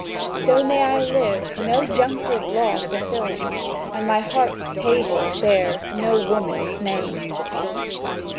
So may I live no junctive law fulfilling, And my heart's table bear no woman's name.